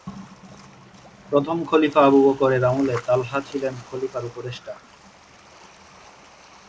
প্রথম খলিফা আবু বকরের আমলে তালহা ছিলেন খলিফার উপদেষ্টা।